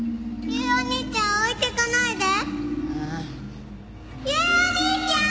ユウお兄ちゃん置いてかないで！